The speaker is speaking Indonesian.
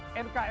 nkri harga mati